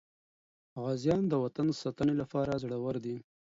غازیان د وطن د ساتنې لپاره زړور دي.